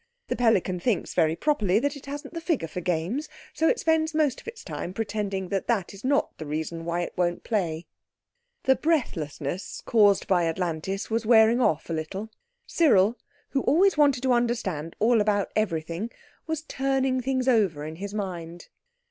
The pelican thinks, very properly, that it hasn't the figure for games, so it spends most of its time pretending that that is not the reason why it won't play. The breathlessness caused by Atlantis was wearing off a little. Cyril, who always wanted to understand all about everything, was turning things over in his mind.